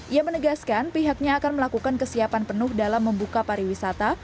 ia menegaskan pihaknya akan melakukan kesiapan penuh dalam membuka pariwisata